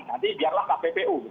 nanti biarlah kppo